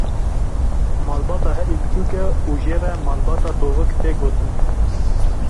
Malbata herî biçûk e û jê re malbata tovik tê gotin.